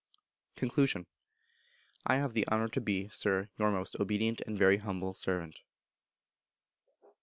Con. I have the honour to be, Sir, Your most obedient very humble servant.